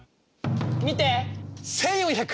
見て！